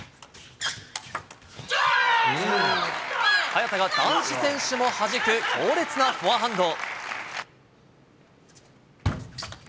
早田が男子選手もはじく強烈なフォアハンド。